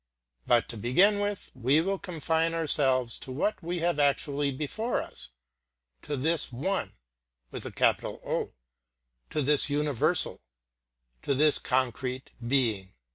But, to begin with, we will confine ourselves to what we have actually before us, to this One, to this universal, to this concrete Being.